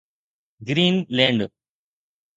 green land